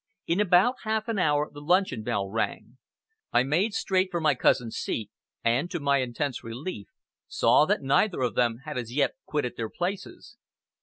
In about half an hour the luncheon bell rang. I made straight for my cousin's seat, and, to my intense relief, saw that neither of them had as yet quitted their places.